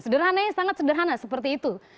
sederhananya sangat sederhana seperti itu